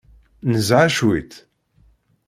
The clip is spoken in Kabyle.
Nezha cwiṭ.